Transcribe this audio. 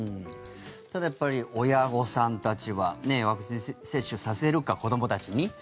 ただ、やっぱり親御さんたちはワクチン接種させるか子どもたちに。